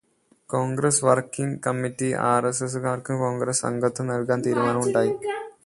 Congress working committee ആര്എസ്എസുകാര്ക്കും കോണ്ഗ്രസ്സ് അംഗത്വം നല്കാന് തീരുമാനിക്കുകയുണ്ടായി.